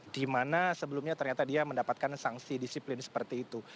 di mana sebelumnya ternyata dia mendapatkan sanksi disiplin seperti itu